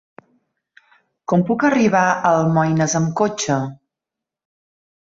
Com puc arribar a Almoines amb cotxe?